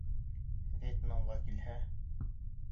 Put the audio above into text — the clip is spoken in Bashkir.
Вьетнамға килһә